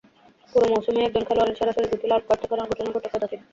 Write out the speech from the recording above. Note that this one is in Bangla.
পুরো মৌসুমেই একজন খেলোয়াড়ের সরাসরি দুটি লাল কার্ড দেখার ঘটনা ঘটে কদাচিৎ।